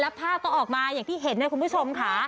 ภาพก็ออกมาอย่างที่เห็นนะคุณผู้ชมค่ะ